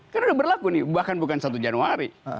karena sudah berlaku nih bahkan bukan satu januari